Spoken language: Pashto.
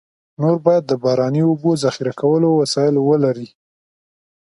نور باید د باراني اوبو ذخیره کولو وسایل ولري.